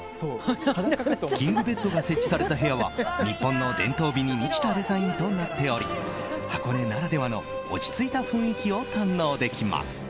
キングベッドが設置された部屋は日本の伝統美に満ちたデザインとなっており箱根ならではの落ち着いた雰囲気を堪能できます。